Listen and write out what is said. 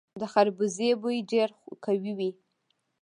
د خربوزې بوی ډیر قوي وي.